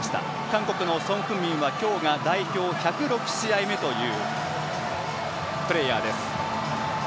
韓国のソン・フンミンは今日が代表１０６試合目というプレーヤーです。